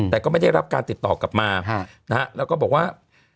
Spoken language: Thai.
แต่ก็ไม่ได้รับการติดต่อกลับมาแล้วก็บอกว่า